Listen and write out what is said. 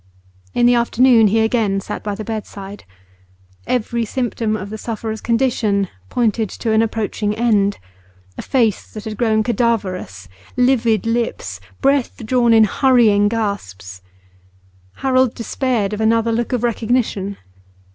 In the afternoon he again sat by the bedside. Every symptom of the sufferer's condition pointed to an approaching end: a face that had grown cadaverous, livid lips, breath drawn in hurrying gasps. Harold despaired of another look of recognition.